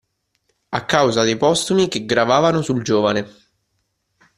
A causa dei postumi che gravavano sul giovane.